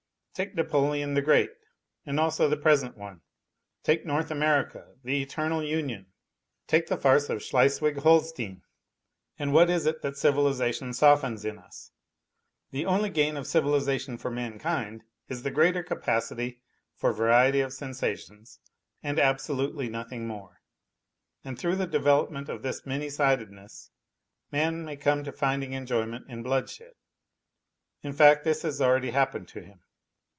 Take Napoleon the Great and also the present one. Take North America the eternal union. Take the farce of Schleswig Holstein. ... And what is it that civilization softens in us ? The only gain of civilization for mankind is the greater capacity for variety of sensations and absolutely nothing more. And through the development of this many sidedness man may come to finding enjoyment in bloodshed. In fact, this has already happened to him.